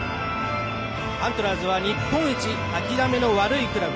アントラーズは日本一諦めの悪いクラブ。